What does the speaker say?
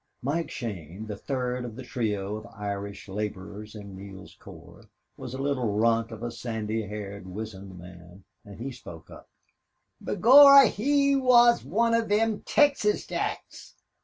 Mike Shane, the third of the trio of Irish laborers in Neale's corps, was a little runt of a sandy haired wizened man, and he spoke up: "Begorra, he's wan of thim Texas Jacks.